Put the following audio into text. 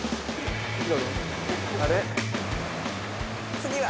次は。